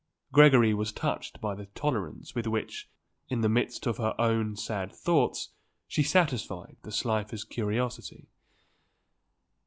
Gregory was touched by the tolerance with which, in the midst of her own sad thoughts, she satisfied the Slifers' curiosity.